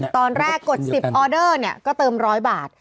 ตอนแรกกด๑๐ออเดอร์เนี่ยก็เติม๑๐๐บาท